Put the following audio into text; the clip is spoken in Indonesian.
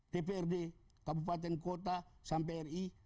dprd kabupaten kota sampai ri